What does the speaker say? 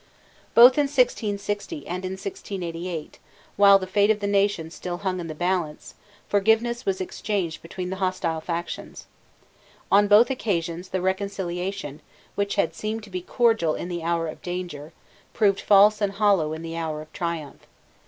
Both in 1660 and in 1688, while the fate of the nation still hung in the balance, forgiveness was exchanged between the hostile factions. On both occasions the reconciliation, which had seemed to be cordial in the hour of danger, proved false and hollow in the hour of triumph.